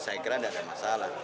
saya kira tidak ada masalah